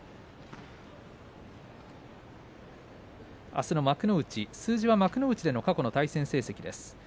あすの幕内数字は幕内での過去の対戦成績です。